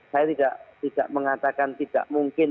saya tidak mengatakan tidak mungkin